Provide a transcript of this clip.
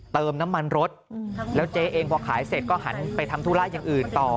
เติมน้ำมันรถแล้วเจ๊เองพอขายเสร็จก็หันไปทำธุระอย่างอื่นต่อ